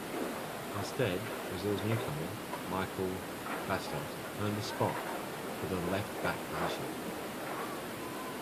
Instead, Brazil newcomer Michel Bastos earned a spot for the left back position.